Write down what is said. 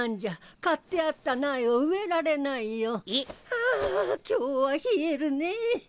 ああ今日は冷えるねぇ。